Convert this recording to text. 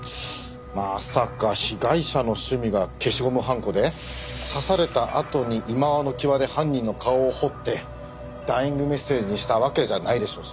まさか被害者の趣味が消しゴムはんこで刺されたあとにいまわの際で犯人の顔を彫ってダイイングメッセージにしたわけじゃないでしょうしね。